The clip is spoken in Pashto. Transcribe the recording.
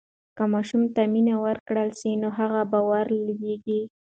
که ماشوم ته مینه ورکړل سي نو هغه باوري لویېږي.